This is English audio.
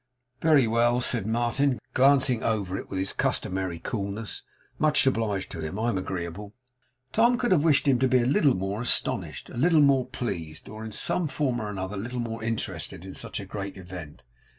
'Very well,' said Martin, glancing over it with his customary coolness; 'much obliged to him. I'm agreeable.' Tom could have wished him to be a little more astonished, a little more pleased, or in some form or other a little more interested in such a great event.